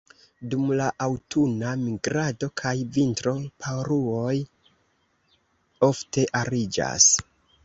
Dum la aŭtuna migrado kaj vintro, paruoj ofte ariĝas.